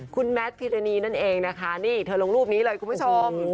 คุณแมทพิรณีนั่นเองนะคะนี่เธอลงรูปนี้เลยคุณผู้ชม